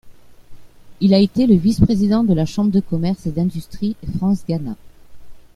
Il a été le Vice-Président de la Chambre de Commerce et d'Industrie France-Ghana.